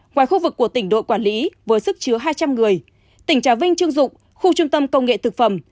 ngoài khu vực của tỉnh đội quản lý với sức chứa hai trăm linh người tỉnh trà vinh chương dụng khu trung tâm công nghệ thực phẩm